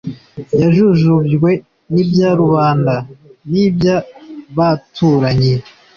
yajujubywe n'ibya rubanda nibya baturanyi